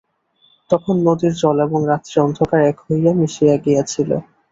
তখন নদীর জল এবং রাত্রির অন্ধকার এক হইয়া মিশিয়া গিয়াছিল।